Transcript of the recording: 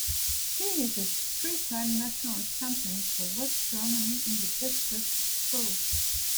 He is a three-time national champion for West Germany in the discus throw.